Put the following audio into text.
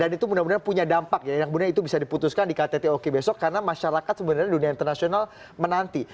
dan itu benar benar punya dampak ya yang benar benar itu bisa diputuskan di kttok besok karena masyarakat sebenarnya dunia internasional menanti